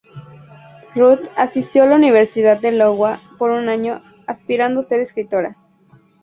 Routh asistió a la Universidad de Iowa por un año, aspirando ser escritor.